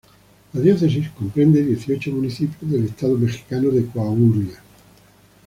La diócesis comprende dieciocho municipios del estado mexicano de Coahuila.